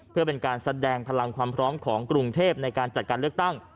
เพื่อเป็นการแสดงพลังความพร้อมของกรุงเทพในการจัดการเลือกตั้ง